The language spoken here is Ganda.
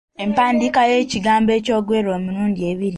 Empandiika y’ekigambo ekyogerwa emirundi ebiri.